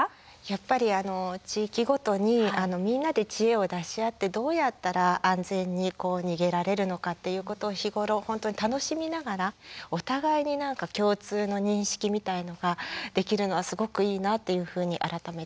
やっぱり地域ごとにみんなで知恵を出し合ってどうやったら安全に逃げられるのかっていうことを日頃本当に楽しみながらお互いに共通の認識みたいのができるのはすごくいいなというふうに改めて思いました。